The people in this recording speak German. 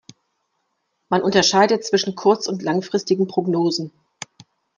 Man unterscheidet zwischen kurz- und langfristigen Prognosen.